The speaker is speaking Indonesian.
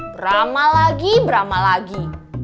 beramal lagi beramal lagi